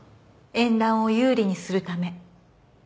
縁談を有利にするため。